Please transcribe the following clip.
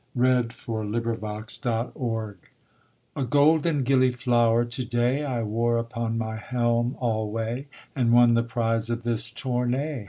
THE GILLIFLOWER OF GOLD A golden gilliflower to day I wore upon my helm alway, And won the prize of this tourney.